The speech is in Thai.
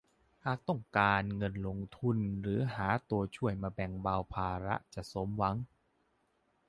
หากต้องการเงินลงทุนหรือหาตัวช่วยมาแบ่งเบาภาระจะสมหวัง